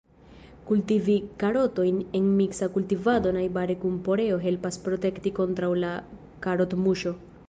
Kultivi karotojn en miksa kultivado najbare kun poreo helpas protekti kontraŭ la karotmuŝo.